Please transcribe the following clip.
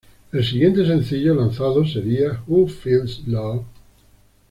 Los siguientes sencillos lanzados serían "Who Feels Love?